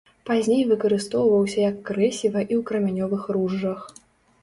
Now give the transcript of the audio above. Пазней выкарыстоўваўся як крэсіва і ў крамянёвых ружжах.